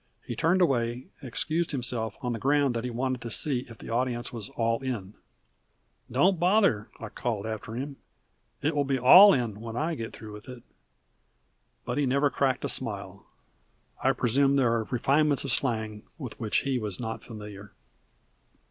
He turned away, and excused himself on the ground that he wanted to see if the audience was "all in." "Don't bother," I called after him. "It will be all in when I get through with it." But he never cracked a smile. I presume there were refinements of slang with which he was not familiar.